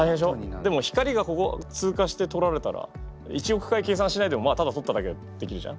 でも光がここ通過してとられたら１億回計算しないでただとっただけでできるじゃん？